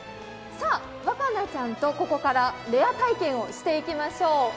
さあ、和奏ちゃんとここからレア体験をしていきましょう。